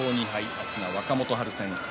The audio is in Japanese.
明日は若元春戦。